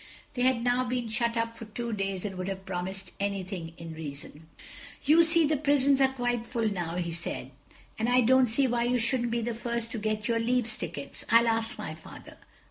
They had now been shut up for two days and would have promised anything in reason. "You see, the prisons are quite full now," he said, "and I don't see why you shouldn't be the first to get your leaves tickets. I'll ask my father."